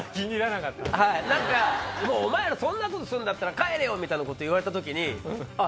何か「お前らそんなことすんだったら帰れよ！」みたいなこと言われた時に。